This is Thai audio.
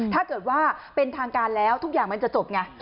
ถ้าเกิดว่าเป็นทางการแล้วทุกอย่างมันจะจบไง